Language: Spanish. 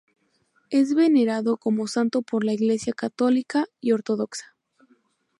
Es venerado como santo por la iglesia católica y ortodoxa.